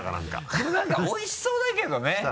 でも何かおいしそうだけどね。